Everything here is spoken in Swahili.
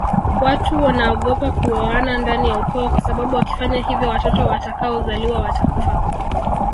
Watu wnaogopa kuoana ndani ya ukoo kwasababu wakifanya hivyo watoto watakaozaliwa watakufa